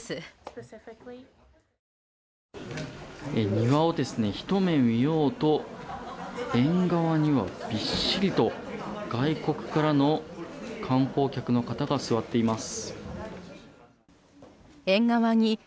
庭を、ひと目見ようと縁側にはびっしりと、外国からの観光客の方が座っています。